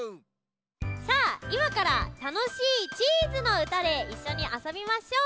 さあいまからたのしいチーズのうたでいっしょにあそびましょう。